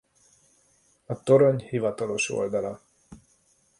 A torony hivatalos oldala